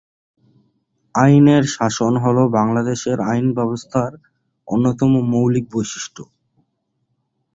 আইনের শাসন হলো বাংলাদেশের আইন ব্যবস্থার অন্যতম মৌলিক বৈশিষ্ট্য।